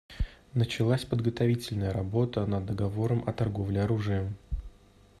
Началась подготовительная работа над договором о торговле оружием.